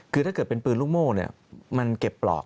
คือถ้าเกิดเป็นปืนลูกโม่มันเก็บปลอก